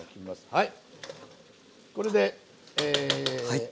はい。